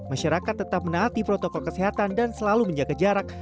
masyarakat tetap menaati protokol kesehatan dan selalu menjaga jarak